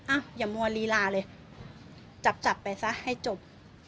อย่ามัวลีลาเลยจับจับไปซะให้จบ